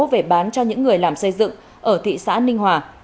về bán cho những người làm xây dựng ở thị xã ninh hòa